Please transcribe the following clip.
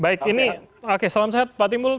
baik ini oke salam sehat pak timbul